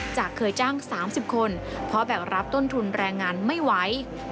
เคยจ้าง๓๐คนเพราะแบกรับต้นทุนแรงงานไม่ไหว